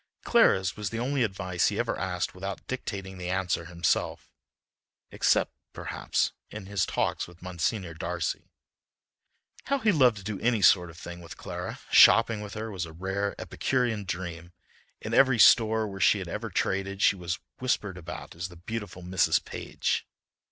Clara's was the only advice he ever asked without dictating the answer himself—except, perhaps, in his talks with Monsignor Darcy. How he loved to do any sort of thing with Clara! Shopping with her was a rare, epicurean dream. In every store where she had ever traded she was whispered about as the beautiful Mrs. Page.